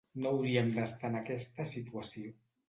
No hauríem d’estar en aquesta situació.